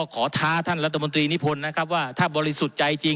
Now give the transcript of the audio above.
ท้าท่านรัฐมนตรีนิพนธ์นะครับว่าถ้าบริสุทธิ์ใจจริง